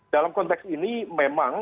dalam konteks ini memang